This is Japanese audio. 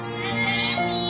元気？